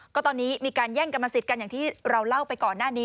ก็ตอนนี้มีการแย่งกรรมสิทธิ์กันอย่างที่เราเล่าไปก่อนหน้านี้